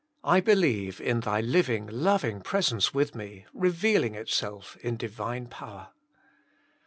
I believe in Thy living, loving presence with ine, reveal ing itself in Divine power."